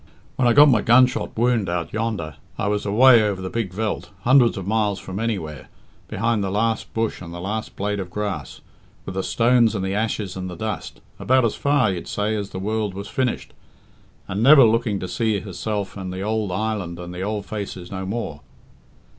When I got my gun shot wound out yonder, I was away over the big veldt, hundreds of miles from anywhere, behind the last bush and the last blade of grass, with the stones and the ashes and the dust about as far, you'd say, as the world was finished, and never looking to see herself and the ould island and the ould faces no more.